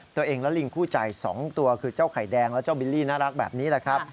ตัวเองและลิงคู่ใจ๒ตัวคือเจ้าไข่แดงและเจ้าบิลลี่น่ารักแบบนี้แหละครับ